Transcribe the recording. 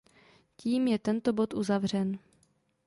Tím je tento bod uzavřen.